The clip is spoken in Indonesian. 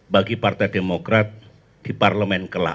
bagi partai demokrat di parlemen kelak